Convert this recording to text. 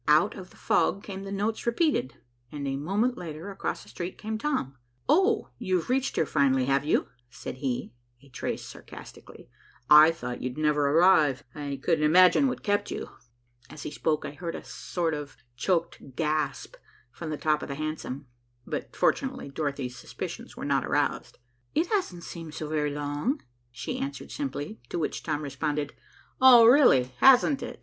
Out of the fog came the notes repeated, and a moment later across the street came Tom. "Oh, you've reached here finally, have you?" said he, a trace sarcastically. "I thought you'd never arrive; I couldn't imagine what kept you." As he spoke, I heard a sort of choked gasp from the top of the hansom, but fortunately Dorothy's suspicions were not aroused. "It hasn't seemed so very long," she answered simply, to which Tom responded, "Oh, really, hasn't it?"